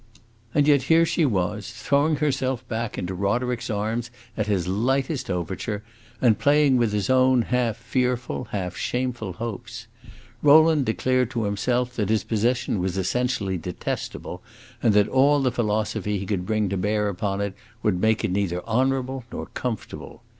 And yet here she was throwing herself back into Roderick's arms at his lightest overture, and playing with his own half fearful, half shameful hopes! Rowland declared to himself that his position was essentially detestable, and that all the philosophy he could bring to bear upon it would make it neither honorable nor comfortable.